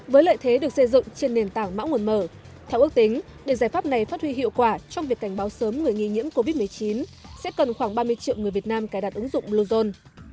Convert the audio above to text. với lợi thế được xây dựng trên nền tảng mã nguồn mở theo ước tính để giải pháp này phát huy hiệu quả trong việc cảnh báo sớm người nghi nhiễm covid một mươi chín sẽ cần khoảng ba mươi triệu người việt nam cài đặt ứng dụng bluezone